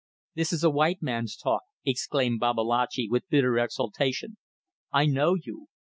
"This is a white man's talk," exclaimed Babalatchi, with bitter exultation. "I know you.